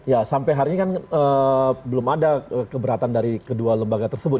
ya sampai hari ini kan belum ada keberatan dari kedua lembaga tersebut